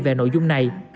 về nội dung này